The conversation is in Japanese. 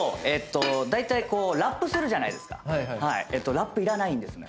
ラップいらないんですね。